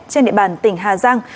trên địa bàn tỉnh hà giang